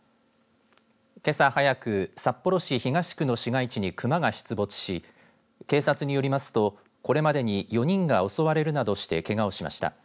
けさ早く札幌市東区の市街地にクマが出没し警察によりますと、これまでに４人が襲われるなどしてけがをしました。